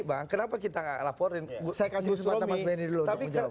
bang kenapa kita laporin saya kasih semangat mas beny dulu tapi